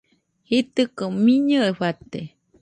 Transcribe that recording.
Jitɨko miñɨe fate